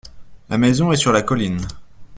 La maison est sur la colline.